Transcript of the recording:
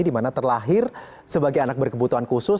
di mana terlahir sebagai anak berkebutuhan khusus